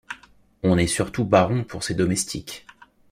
On est surtout baron pour ses domestiques.